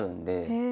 へえ。